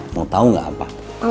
mau tau gak apa